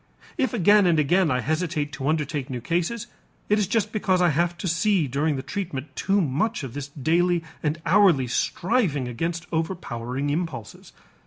If again and again I hesitate to undertake new cases, it is just because I have to see during the treatment too much of this daily and hourly striving against overpowering impulses.